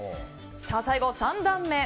最後、３段目。